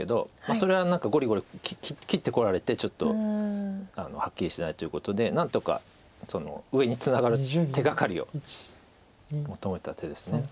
それはごりごり切ってこられてちょっとはっきりしないということで何とか上にツナがる手がかりを求めた手です。